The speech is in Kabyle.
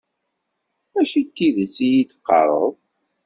Mačči d tidet i yi-d-teqqareḍ.